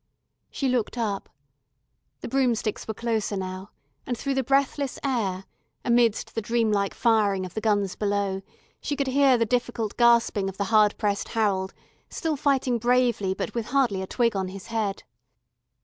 She looked up. The broomsticks were closer now, and through the breathless air, amidst the dream like firing of the guns below, she could hear the difficult gasping of the hard pressed Harold, still fighting bravely but with hardly a twig on his head.